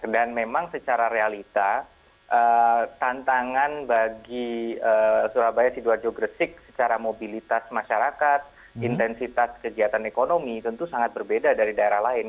dan memang secara realita tantangan bagi surabaya sidoarjo gresik secara mobilitas masyarakat intensitas kegiatan ekonomi tentu sangat berbeda dari daerah lain